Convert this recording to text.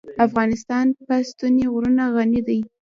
افغانستان په ستوني غرونه غني دی.